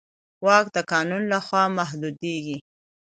واک د قانون له خوا محدودېږي.